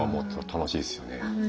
楽しいですね。